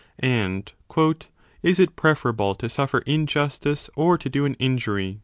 and Is it preferable to suffer injustice or to do an injury